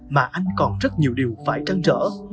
mà anh còn rất nhiều điều phải trang trở